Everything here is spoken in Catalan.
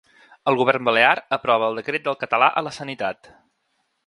El govern balear aprova el decret del català a la sanitat.